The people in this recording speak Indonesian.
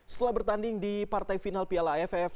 setelah bertanding di partai final piala aff